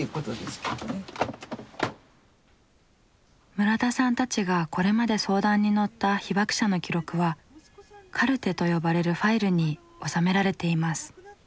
村田さんたちがこれまで相談に乗った被爆者の記録は「カルテ」と呼ばれるファイルに収められています。